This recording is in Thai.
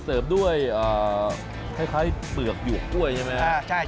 เสริมด้วยคล้ายเปลือกหยวกกล้วยใช่ไหมครับ